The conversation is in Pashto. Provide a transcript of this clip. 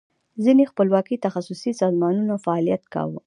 ځینې خپلواکي تخصصي سازمانونو فعالیت کاو.